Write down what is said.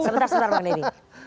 sebentar sebentar bang deddy